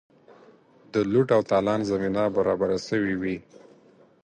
د لوټ او تالان زمینه برابره سوې وي.